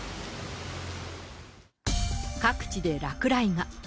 各地で落雷が。